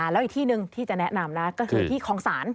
แล้วอีกที่หนึ่งที่จะแนะนำนะก็คือที่คลองศาล